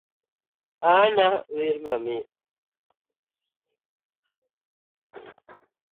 Anna wer mamit.